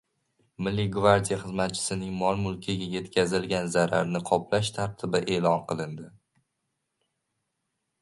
Milliy gvardiya xizmatchisining mol-mulkiga yetkazilgan zararni qoplash tartibi e’lon qilindi